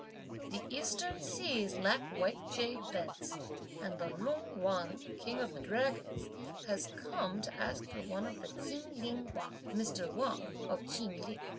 The eastern seas lack white jade beds, and the "Lung Wang," king of the Dragons, has come to ask for one of the Chin Ling Wang, (Mr. Wang of Chin Ling.)